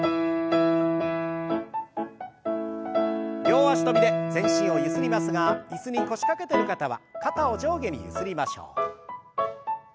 両脚跳びで全身をゆすりますが椅子に腰掛けてる方は肩を上下にゆすりましょう。